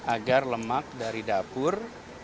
agar lemak dari dapur